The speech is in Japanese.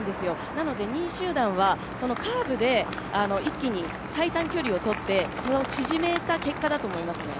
なので２位集団はそのカーブで一気に最短距離を取って差を縮めた結果だと思います。